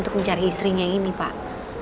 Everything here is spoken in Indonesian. untuk mencari istrinya ini pak